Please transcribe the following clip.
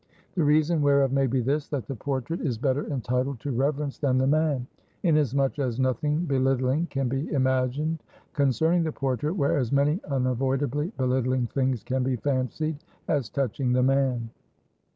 The reason whereof may be this: that the portrait is better entitled to reverence than the man; inasmuch as nothing belittling can be imagined concerning the portrait, whereas many unavoidably belittling things can be fancied as touching the man.